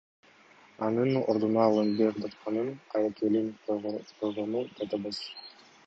Анын ордуна Алымбек датканын айкелин койгону жатабыз.